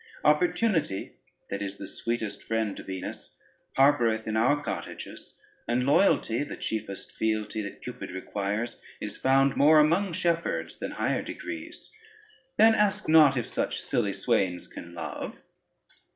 Opportunity, that is the sweetest friend to Venus, harboreth in our cottages, and loyalty, the chiefest fealty that Cupid requires, is found more among shepherds than higher degrees. Then, ask not if such silly swains can love."